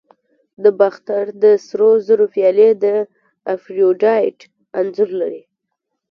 د باختر د سرو زرو پیالې د افروډایټ انځور لري